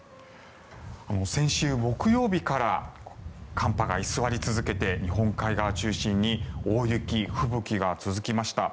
先週木曜日から寒波が居座り続けて日本海側中心に大雪、吹雪が続きました。